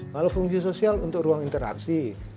kalau fungsi sosial untuk ruang interaksi